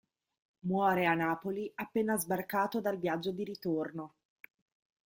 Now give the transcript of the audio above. Muore a Napoli appena sbarcato dal viaggio di ritorno.